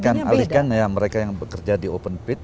jadi kita akan alihkan ya mereka yang bekerja di open pit